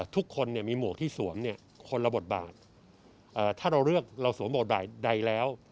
ทุกคนมีหมวกที่สวมเนี่ยคนละบทบาทถ้าเราเลือกเราสวมบทบาทใดแล้ว